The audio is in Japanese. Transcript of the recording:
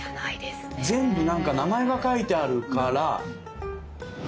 全部なんか名前が書いてあるから。